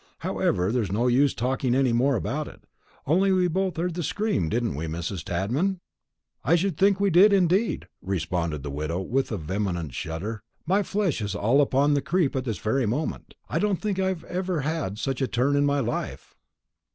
However, there's no use talking any more about it. Only we both heard the scream, didn't we, Mrs. Tadman?" "I should think we did, indeed," responded the widow with a vehement shudder. "My flesh is all upon the creep at this very moment. I don't think I ever had such a turn in my life."